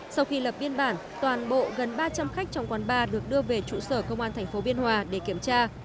sau khi lập biên bản toàn bộ gần ba trăm linh khách trong quán bar được đưa về trụ sở công an tp biên hòa để kiểm tra